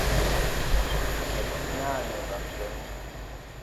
Batsidi nya a ne vǝ n kǝan.